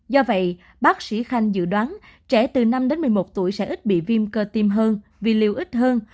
do vậy bác sĩ khanh dự đoán trẻ từ năm đến một mươi một tuổi sẽ ít bị viêm cơ tim hơn vì liều ít hơn